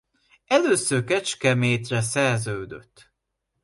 Először Kecskemétre szerződött.